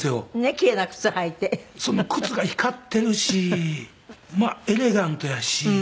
その靴が光ってるしエレガントやし。